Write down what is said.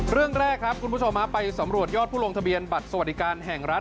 เรื่องแรกครับคุณผู้ชมไปสำรวจยอดผู้ลงทะเบียนบัตรสวัสดิการแห่งรัฐ